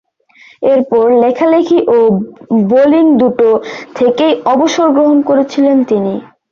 এরপরে লেখালেখি ও বোলিং দুটো থেকেই অবসর গ্রহণ করেছিলেন তিনি।